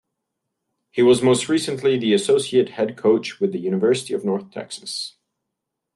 He was most recently the associate head coach with the University of North Texas.